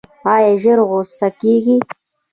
ایا ژر غوسه کیږئ؟